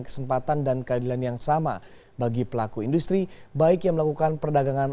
kesempatan dan keadilan yang sama bagi pelaku industri baik yang melakukan perdagangan